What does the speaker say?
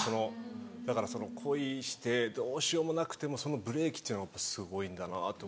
だからその恋してどうしようもなくてもそのブレーキっていうのはすごいんだなと。